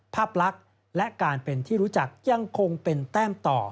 ภาพลักษณ์และการเป็นที่รู้จักยังคงเป็นแต้มต่อ